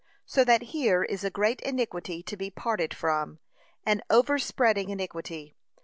So that here is a great iniquity to be parted from, an over spreading iniquity.